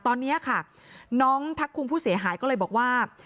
ตอนนี้ค่ะน้องทักคุมผู้เสียหายก็เลยบอกว่า